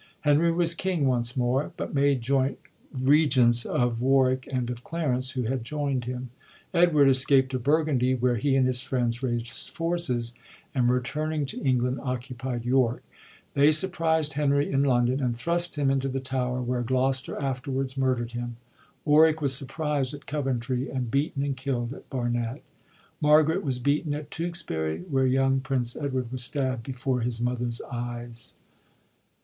Henry was king once more, but made joint regents of Warwick and of Clarence who had joind him. Edward escaped to Burgundy, where he and his friends raisd forces, and returning to England, occupied York. They surprised Henry in London, and thrust him into the Tower, where Gloster afterwards murderd him. Warwick was surprised at Coventry, and beaten and killd at Barnet. Margaret wa43 beaten at Tewkesbury, where young Prince Edward was stabd before his mother's eyes.